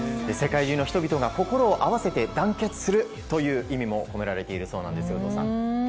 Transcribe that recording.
世界中の人々が心を合わせて団結するという意味も込められているそうです。